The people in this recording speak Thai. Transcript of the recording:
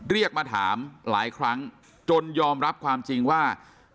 เรียกมาถามหลายครั้งจนยอมรับความจริงว่า